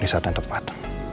di saat yang tepat